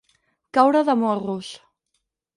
Caure de morros.